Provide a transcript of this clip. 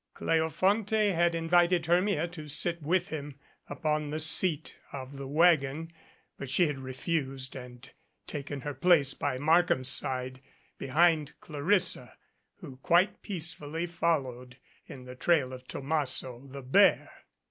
Cleofonte had invited Hermia to sit with him upon the seat of the wagon, but she had refused and taken her place by Markham's side behind Clarissa, who, quite peacefully, followed in the trail of Tomasso, the bear.